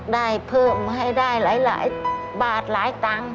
ได้เพิ่มให้ได้หลายบาทหลายตังค์